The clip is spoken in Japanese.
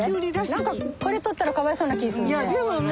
何かこれ取ったらかわいそうな気ぃするね。